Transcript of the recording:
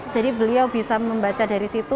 jadi beliau bisa membaca dari situ